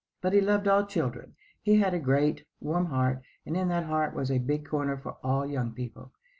But he loved all children. He had a great, warm heart, and in that heart was a big corner for all young people.